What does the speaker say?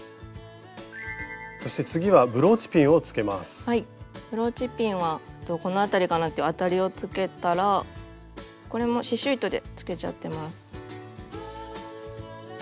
ブローチピンはこの辺りかなっていうあたりをつけたらこれも刺しゅう糸でつけちゃってます。